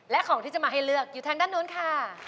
และของที่จะมาให้เลือกอยู่ทางด้านนู้นค่ะ